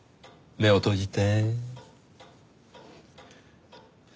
目を閉じて。